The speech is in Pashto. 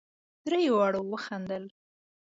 درې واړو وخندل.